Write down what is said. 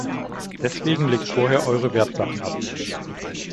Deswegen legt vorher eure Wertsachen ab.